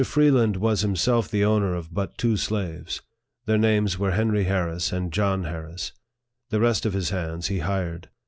Freeland was himself the owner of but two slaves. Their names were Henry Harris and John Harris. The rest of his hands he hired.